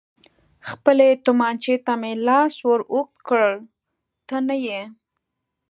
خپلې تومانچې ته مې لاس ور اوږد کړ، ته نه یې.